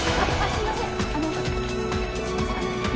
すいません！